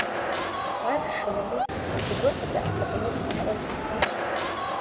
Ар шынэри, зыгуэр къыдэӀэпыкъуну лъаӀуэу щӀидзащ.